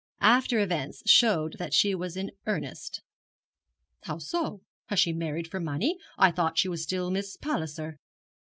'After events showed that she was in earnest.' 'How so? Has she married for money? I thought she was still Miss Palliser?'